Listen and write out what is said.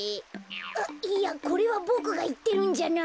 いやこれはボクがいってるんじゃなくて。